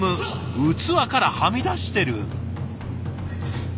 器からはみ出してる。